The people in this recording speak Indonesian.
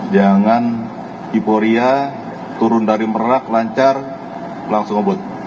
jangan hiporia turun dari merak lancar langsung ngebut